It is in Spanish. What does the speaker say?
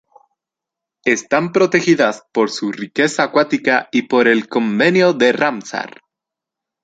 Están protegidas por su riqueza acuática y por el Convenio de Ramsar.